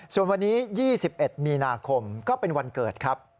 ส่วนวันนี้๒๑มีนาคมก็เป็นวันเกิดครับ